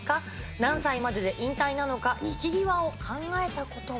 何歳までで引退なのか、引き際を考えたことは。